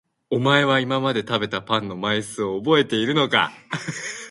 お前は今まで食べたパンの枚数を覚えているのか？